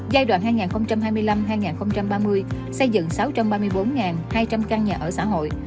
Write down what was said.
giai đoạn hai nghìn hai mươi năm hai nghìn ba mươi xây dựng sáu trăm ba mươi bốn hai trăm linh căn nhà ở xã hội